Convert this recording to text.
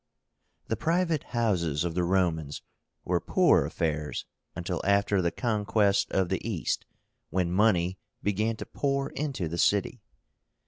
The private houses of the Romans were poor affairs until after the conquest of the East, when money began to pour into the city.